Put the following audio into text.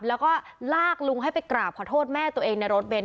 แล้วก็ลากลุงให้ไปกราบขอโทษแม่ตัวเองในรถเบนท